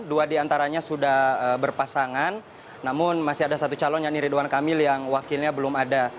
dua diantaranya sudah berpasangan namun masih ada satu calon yakni ridwan kamil yang wakilnya belum ada